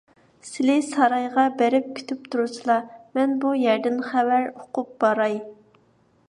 سىلى سارايغا بېرىپ كۈتۈپ تۇرسىلا، مەن بۇ يەردىن خەۋەر ئۇقۇپ باراي.